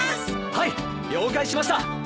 はい了解しました！